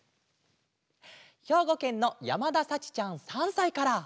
ひょうごけんのやまださちちゃん３さいから。